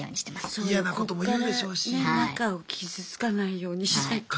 そっからね中を傷つかないようにしないと。